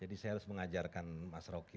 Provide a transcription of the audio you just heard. jadi saya harus mengajarkan mas roky soal itu